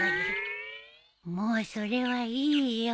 もうそれはいいよ。